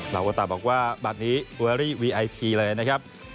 วาโอตาบอกว่าบัตรนี้เวอรี่วีไอพีเลยนะครับ